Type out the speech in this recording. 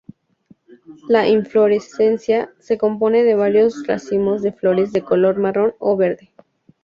La inflorescencia se compone de varios racimos de flores de color marrón o verde.